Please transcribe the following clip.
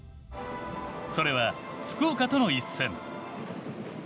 それは福岡との一戦。